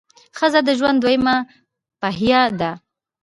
ښځه د ژوند دویمه پهیه ده.